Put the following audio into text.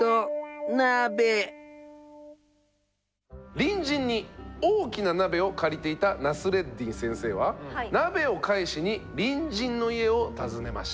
隣人に大きな鍋を借りていたナスレッディン先生は鍋を返しに隣人の家を訪ねました。